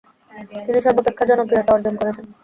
তিনি সর্বাপেক্ষা জনপ্রিয়তা অর্জন করেছেন।